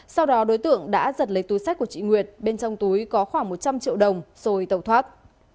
sau đó đối tượng đã giật lấy túi sách của chị nguyệt bên trong túi có khoảng một trăm linh triệu đồng rồi tàu thoát